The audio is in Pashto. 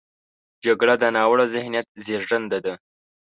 جګړه د ناوړه ذهنیت زیږنده ده